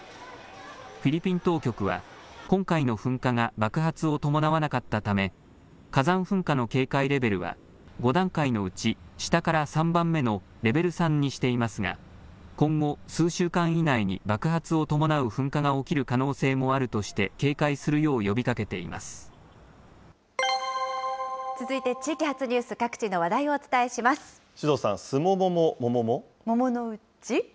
フィリピン当局は、今回の噴火が爆発を伴わなかったため、火山噴火の警戒レベルは、５段階のうち、下から３番目のレベル３にしていますが、今後、数週間以内に、爆発を伴う噴火が起きる可能性もあるとして警戒するよう呼びかけ続いて地域発ニュース、各地首藤さん、すももも、もものうち？